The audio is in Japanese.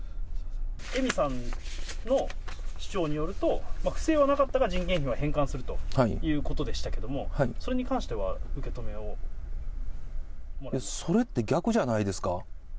恵美さんの主張によると、不正はなかったが、人件費は返還するということでしたけど、それって逆じゃないですか。